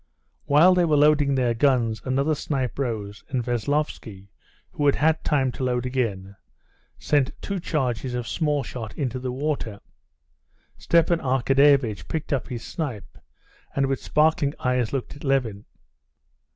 While they were loading their guns, another snipe rose, and Veslovsky, who had had time to load again, sent two charges of small shot into the water. Stepan Arkadyevitch picked up his snipe, and with sparkling eyes looked at Levin.